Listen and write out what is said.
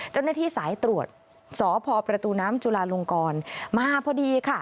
เจ้าหน้าที่สายตรวจสพประตูน้ำจุลาลงกรมาพอดีค่ะ